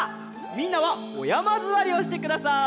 みんなはおやまずわりをしてください。